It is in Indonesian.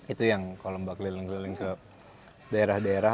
itu yang kalau mbak keliling keliling ke daerah daerah